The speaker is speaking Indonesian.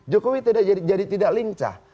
jokowi jadi tidak lincah